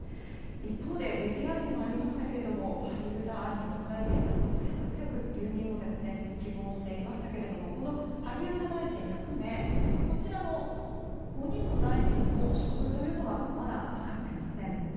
一方でＶＴＲにもありましたけれども萩生田経産大臣強く強く留任を希望していましたけれどもこの萩生田大臣含めこちらの５人の大臣の処遇というのはまだ分かっていません。